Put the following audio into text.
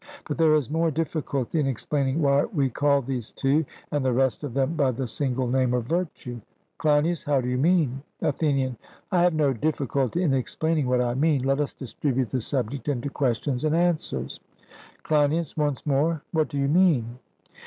But there is more difficulty in explaining why we call these two and the rest of them by the single name of virtue. CLEINIAS: How do you mean? ATHENIAN: I have no difficulty in explaining what I mean. Let us distribute the subject into questions and answers. CLEINIAS: Once more, what do you mean?